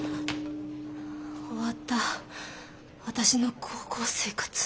終わった私の高校生活。